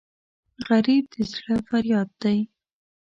غریب د زړه فریاد دی